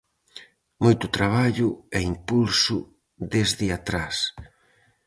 Moito traballo e impulso desde atrás.